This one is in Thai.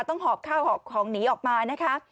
ต้องหอบเข้าหอบของหนีออกมานะคะ